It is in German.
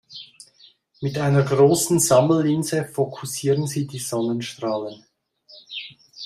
Mit einer großen Sammellinse fokussieren sie die Sonnenstrahlen.